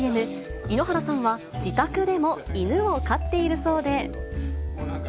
井ノ原さんは自宅でも犬を飼っているそうで。